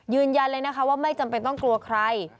ยืนยันเลยนะคะว่าไม่จำเป็นต้องกลัวใคร